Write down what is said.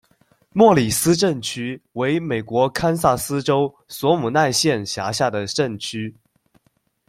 莫里斯镇区为美国堪萨斯州索姆奈县辖下的镇区。